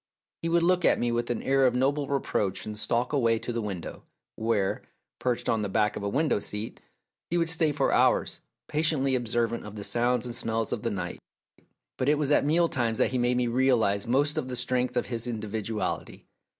He would look at me with an air of noble reproach and stalk away to the window, where, perched on the back of a window seat, he would stay for hours, patiently observant of the sounds and smells of the night. But it was at mealtimes that he made me realise most the strength of his individuality.